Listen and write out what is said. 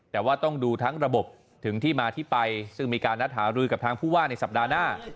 แต่ว่าต้องดูทั้งระบบถึงที่มาที่ไปซึ่งมีการนัดหารือกับทางผู้ว่าในสัปดาห์หน้า